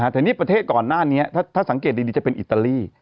แต่นี่ประเทศก่อนหน้านี้ถ้าสังเกตดีจะเป็นอิตาลี